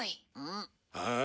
ああ。